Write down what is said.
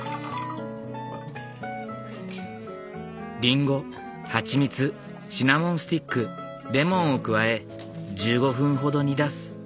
リンゴ蜂蜜シナモンスティックレモンを加え１５分ほど煮出す。